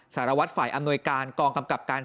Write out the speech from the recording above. สารวัตรฝ่ายอำนวยการกองกำกับการ